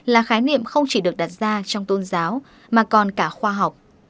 là khái niệm không chỉ được đặt ra trong tôn giáo mà còn cả khoa học